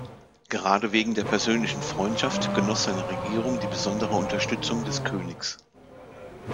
Gerade wegen der persönlichen Freundschaft genoss seine Regierung die besondere Unterstützung des Königs.